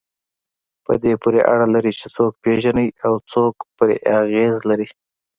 په دې پورې اړه لري چې څوک پېژنئ او څومره پرې اغېز لرئ.